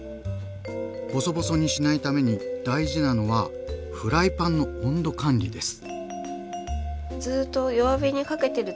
ボソボソにしないために大事なのはフライパンの温度管理です。